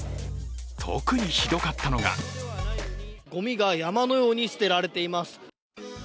特にひどかったのがごみが山のように捨てられています。